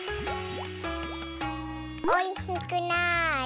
おいしくなあれ。